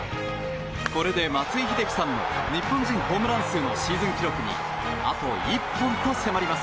これで松井秀喜さんの日本人ホームラン数のシーズン記録にあと１本と迫ります。